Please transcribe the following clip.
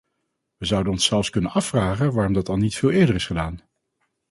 We zouden ons zelfs kunnen afvragen waarom dat al niet veel eerder is gedaan.